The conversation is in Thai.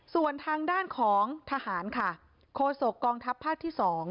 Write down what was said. ส่วนทางด้านของทหารค่ะโคศกองทัพภาคที่๒